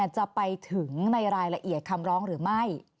จะไปถึงในรายละเอียดคำร้องหรือไม่